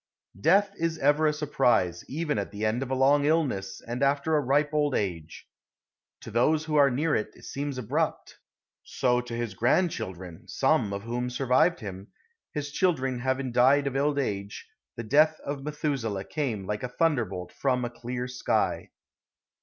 Death is ever a surprise, even at the end of a long illness and after a ripe old age. To those who are near it seems abrupt; so to his grandchildren, some of whom survived him, his children having died of old age, the death of Methuselah came like a thunderbolt from a clear sky.